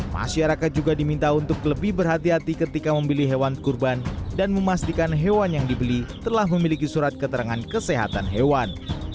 masyarakat juga diminta untuk lebih berhati hati ketika membeli hewan kurban dan memastikan hewan yang dibeli telah memiliki surat keterangan kesehatan hewan